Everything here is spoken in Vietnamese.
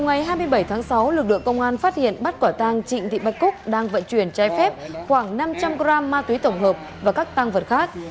ngày hai mươi bảy tháng sáu lực lượng công an phát hiện bắt quả tang trịnh thị bạch cúc đang vận chuyển trái phép khoảng năm trăm linh g ma túy tổng hợp và các tăng vật khác